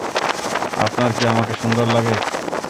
আপনার কি আমাকে সুন্দর লাগে?